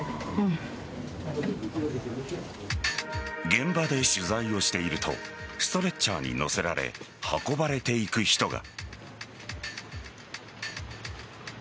現場で取材をしているとストレッチャーに乗せられ運ばれていく人が。